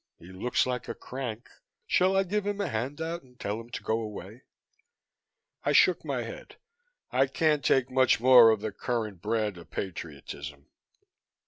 He looks like a crank. Shall I give him a hand out and tell him to go away?" I shook my head. "I can't take much more of the current brand of patriotism."